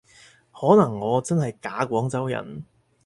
可能我真係假廣州人